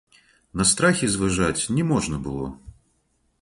На страхі зважаць не можна было.